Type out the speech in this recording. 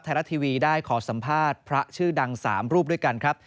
ไทยรัฐทีวีได้ขอสัมภาษณ์พระชื่อดัง๓รูปด้วยกันครับ